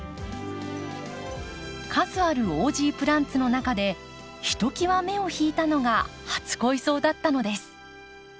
数あるオージープランツの中でひときわ目を引いたのが初恋草だったのです。